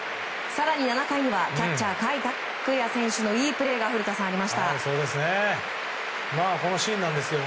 更に７回にはキャッチャー甲斐拓也選手のいいプレーがありました。